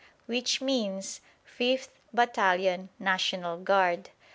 which means 5th Battalion, National Guard.